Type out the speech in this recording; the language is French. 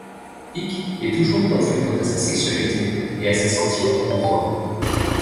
Pik est toujours confus quant à sa sexualité et à ses sentiments pour Rome.